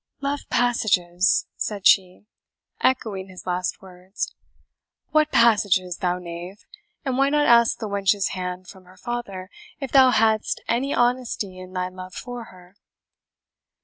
"Love passages!" said she, echoing his last words; "what passages, thou knave? and why not ask the wench's hand from her father, if thou hadst any honesty in thy love for her?"